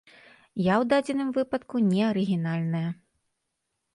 Я ў дадзеным выпадку не арыгінальная.